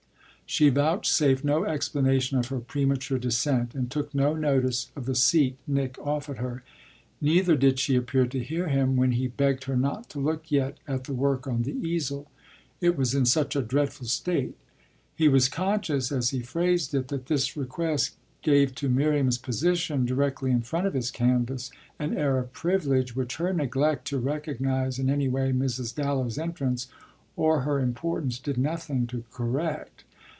She vouchsafed no explanation of her premature descent and took no notice of the seat Nick offered her; neither did she appear to hear him when he begged her not to look yet at the work on the easel it was in such a dreadful state. He was conscious, as he phrased it, that this request gave to Miriam's position, directly in front of his canvas, an air of privilege which her neglect to recognise in any way Mrs. Dallow's entrance or her importance did nothing to correct.